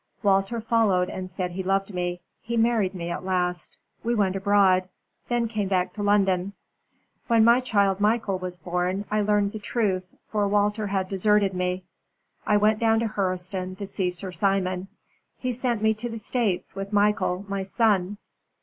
Walter followed and said he loved me. He married me at last. We went abroad then came back to London. When my child, Michael, was born, I learned the truth, for Walter had deserted me. I went down to Hurseton to see Sir Simon. He sent me to the States with Michael, my son.